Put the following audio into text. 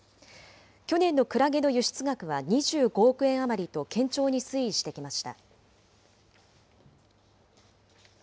去年のクラゲの輸出額は２５億円余りと堅調に推移してきました。